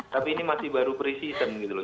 tapi ini masih baru pre season gitu loh